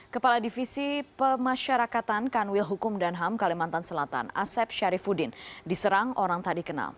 kepala divisi pemasyarakatan kanwil hukum dan ham kalimantan selatan asep syarifudin diserang orang tadi kenal